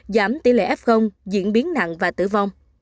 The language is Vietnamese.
giảm tỷ lệ f diễn biến nặng và tử vong